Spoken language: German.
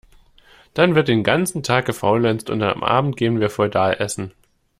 Dann wird den ganzen Tag gefaulenzt und am Abend gehen wir feudal Essen.